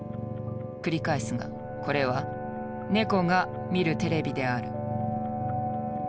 繰り返すがこれはネコが見るテレビである。